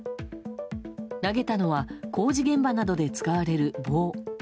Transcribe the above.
投げたのは工事現場などで使われる棒。